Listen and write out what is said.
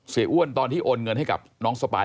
อ้วนตอนที่โอนเงินให้กับน้องสปาย